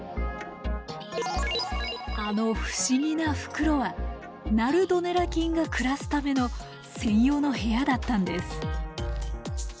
あの不思議な袋はナルドネラ菌が暮らすための専用の部屋だったんです。